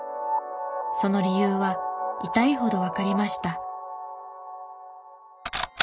その理由は痛いほどわかりました。